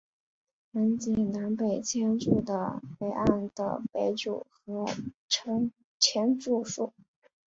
连结南北千住的北岸的北组合称千住宿。